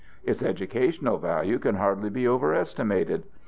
Its educational value can hardly be overestimated.